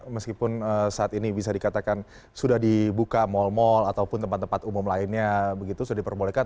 meskipun saat ini bisa dikatakan sudah dibuka mal mal ataupun tempat tempat umum lainnya begitu sudah diperbolehkan